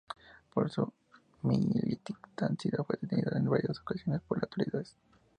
Por su militancia fue detenido en varias ocasiones por las autoridades.